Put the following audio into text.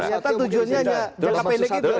bapak susyata tujuannya hanya jangka pendek itu